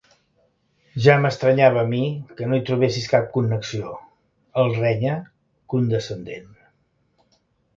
Ja m'estranyava a mi que no hi trobessis cap connexió —el renya, condescendent.